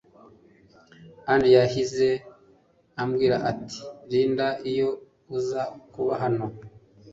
Angel yahise ambwira ati Linda iyo uza kuba hano